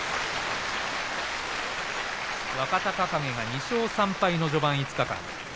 若隆景が２勝３敗の序盤５日間。